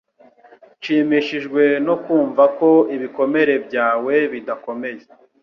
Nshimishijwe no kumva ko ibikomere byawe bidakomeye